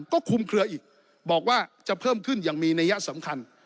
ก็คุมเคลืออีกบอกว่าจะเพิ่มขึ้นอย่างมีนัยสำคัญ